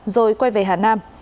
rồi quay về hà nam